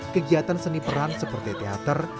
kegiatan seni peran seperti teater